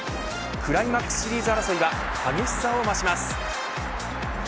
クライマックスシリーズ争いは激しさを増します。